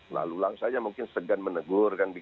lalu langsung saja mungkin segan menegur